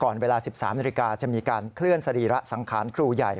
เวลา๑๓นาฬิกาจะมีการเคลื่อนสรีระสังขารครูใหญ่